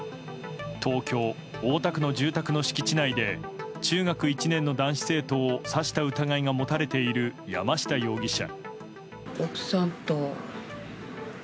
東京・大田区の住宅の敷地内で中学１年の男子生徒を刺した疑いが持たれている山下容疑者。